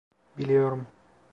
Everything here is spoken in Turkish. BiIiyorum.